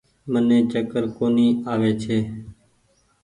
مني چڪر ڪونيٚ آوي ڇي۔